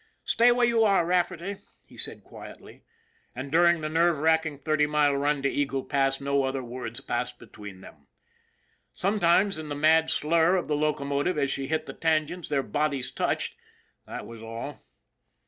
" Stay where you are, Rafferty," he said quietly. And during the nerve racking thirty mile run to Eagle Pass no other words passed between them. Sometimes in the mad slur of the locomotive as she hit the tan gents their bodies touched ; that was all.